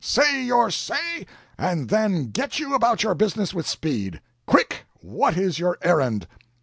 Say your say and then get you about your business with speed! Quick what is your errand?